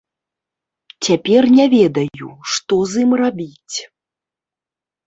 Цяпер не ведаю, што з ім рабіць.